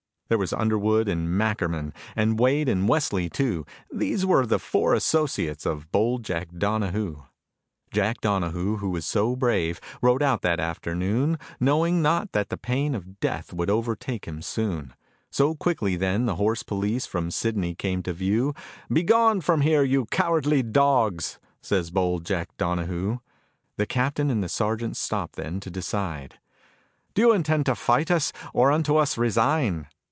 There was Underwood and Mackerman, And Wade and Westley too, These were the four associates Of bold Jack Donahoo. Jack Donahoo, who was so brave, Rode out that afternoon, Knowing not that the pain of death Would overtake him soon. So quickly then the horse police From Sidney came to view; "Begone from here, you cowardly dogs," Says bold Jack Donahoo. The captain and the sergeant Stopped then to decide. "Do you intend to fight us Or unto us resign?"